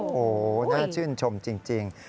โอ้โหน่าชื่นชมจริง